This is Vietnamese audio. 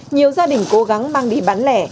nhiều gia đình cố gắng mang đi bán lẻ